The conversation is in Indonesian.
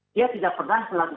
dia tidak pernah melakukan